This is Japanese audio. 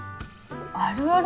「あるある」？